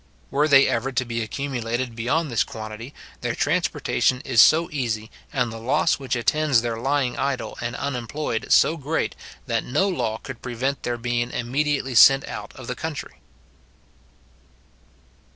Were they ever to be accumulated beyond this quantity, their transportation is so easy, and the loss which attends their lying idle and unemployed so great, that no law could prevent their being immediately sent out of the country.